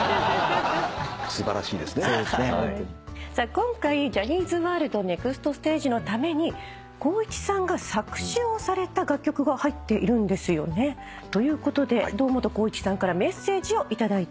今回『ＪＯＨＮＮＹＳ’ＷｏｒｌｄＮｅｘｔＳｔａｇｅ』のために光一さんが作詞をされた楽曲が入っているんですよね。ということで堂本光一さんからメッセージを頂いてます。